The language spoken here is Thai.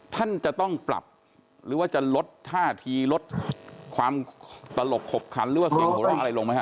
ท่านจะต้องปรับหรือว่าจะลดท่าทีลดความตลกขบขันหรือว่าเสียงหัวเราะอะไรลงไหมฮ